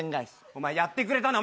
お前やってくれたな。